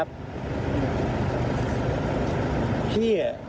ไม่อยาก